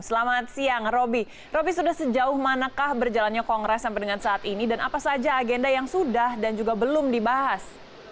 selamat siang roby roby sudah sejauh manakah berjalannya kongres sampai dengan saat ini dan apa saja agenda yang sudah dan juga belum dibahas